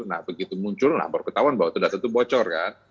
nah begitu muncul nah baru ketahuan bahwa data itu bocor kan